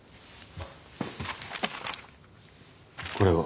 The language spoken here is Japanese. これは。